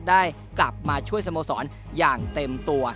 ได้กลับมาช่วยสโมสรอย่างเต็มตัว